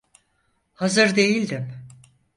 Hazır değildim.